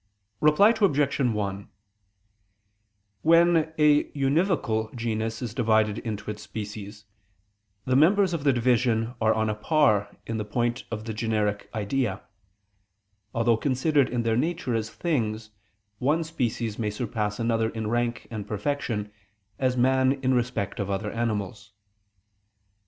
Reply Obj. 1: When a univocal genus is divided into its species, the members of the division are on a par in the point of the generic idea; although considered in their nature as things, one species may surpass another in rank and perfection, as man in respect of other animals.